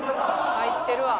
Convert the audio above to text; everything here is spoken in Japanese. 入ってるわ。